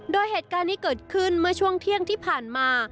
โดยเหตุการณ์นี้เกิดขึ้นเมื่อช่วงเที่ยงที่ผ่านมา